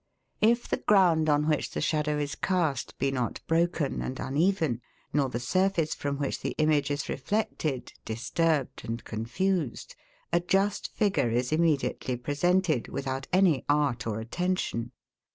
If the ground, on which the shadow is cast, be not broken and uneven; nor the surface from which the image is reflected, disturbed and confused; a just figure is immediately presented, without any art or attention.